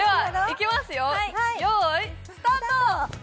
いスタート！